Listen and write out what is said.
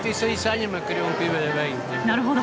なるほど。